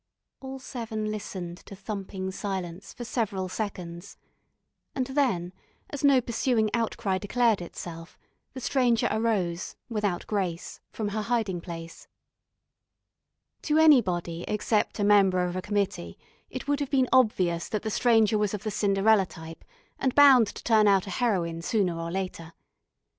All seven listened to thumping silence for several seconds, and then, as no pursuing outcry declared itself, the Stranger arose, without grace, from her hiding place. To anybody except a member of a committee it would have been obvious that the Stranger was of the Cinderella type, and bound to turn out a heroine sooner or later.